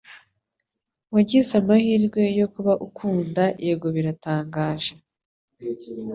wagize amahirwe yo kuba ukunda Yego biratangaje